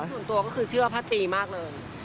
ส่วนตัวก็คือเชื่อพระตรีมากเลย